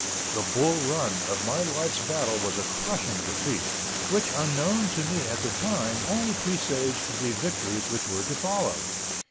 The "Bull Run" of my life's battle was a crushing defeat, which, unknown to me at the time, only presaged the victories which were to follow.